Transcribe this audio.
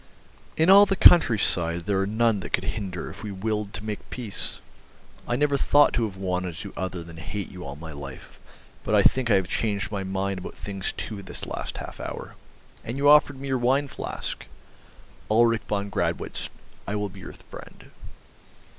In all the countryside there are none that could hinder if we willed to make peace. I never thought to have wanted to do other than hate you all my life, but I think I have changed my mind about things too, this last half hour. And you offered me your wine flask ... Ulrich von Gradwitz, I will be your friend."